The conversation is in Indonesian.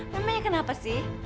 memangnya kenapa sih